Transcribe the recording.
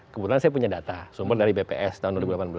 kebetulan saya punya data sumber dari bps tahun dua ribu delapan belas